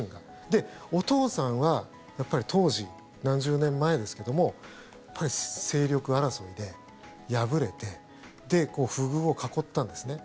で、お父さんは当時、何十年前ですけどもやっぱり勢力争いで敗れて不遇をかこったんですね。